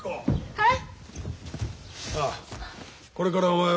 はい。